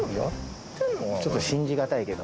ちょっと信じ難いけど。